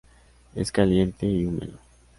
Es caliente y húmedo.